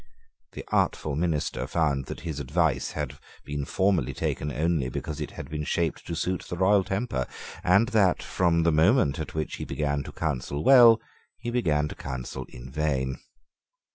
The artful minister found that his advice had been formerly taken only because it had been shaped to suit the royal temper, and that, from the moment at which he began to counsel well, he began to counsel in vain.